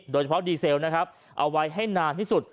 โดยเฉพาะดีเซลนะครับเอาไว้ให้นานที่สุด